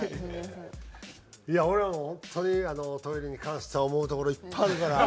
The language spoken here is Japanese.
いや俺はもう本当にトイレに関しては思うところいっぱいあるから。